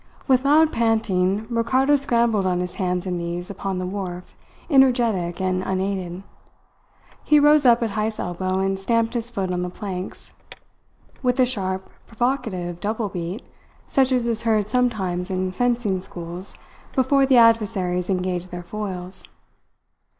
With loud panting, Ricardo scrambled on his hands and knees upon the wharf, energetic and unaided. He rose up at Heyst's elbow and stamped his foot on the planks, with a sharp, provocative, double beat, such as is heard sometimes in fencing schools before the adversaries engage their foils.